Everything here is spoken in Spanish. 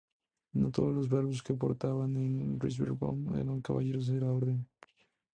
No todos los bávaros que portaban el "Ritter von" eran caballeros de la Orden.